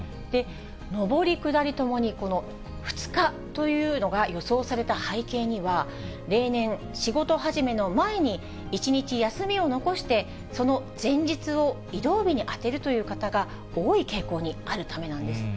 上り、下りともにこの２日というのが予想された背景には、例年、仕事始めの前に、１日休みを残して、その前日を移動日に充てるという方が多い傾向にあるためなんです。